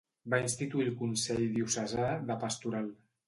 Va instituir el Consell Diocesà de Pastoral.